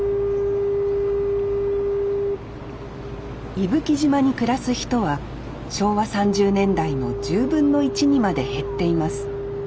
伊吹島に暮らす人は昭和３０年代の１０分の１にまで減っています。